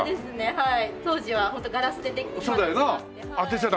はい。